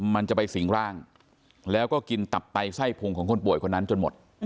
มันจะไปสิงร่างแล้วก็กินตับไตไส้พุงของคนป่วยคนนั้นจนหมด